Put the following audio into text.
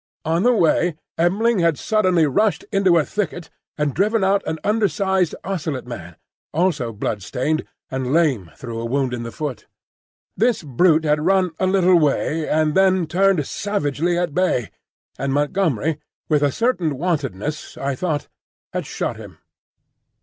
On the way, M'ling had suddenly rushed into a thicket and driven out an under sized Ocelot man, also blood stained, and lame through a wound in the foot. This brute had run a little way and then turned savagely at bay, and Montgomery—with a certain wantonness, I thought—had shot him.